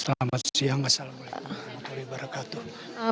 azlamat siang assalamualaikum